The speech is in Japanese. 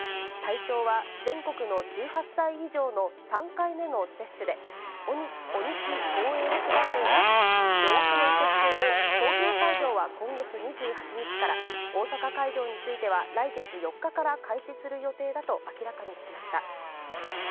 対象は、全国の１８歳以上の３回目の接種で、鬼木防衛副大臣は、予約の受け付けを東京会場は今月２８日から、大阪会場については、来月４日から開始する予定だと明らかにしました。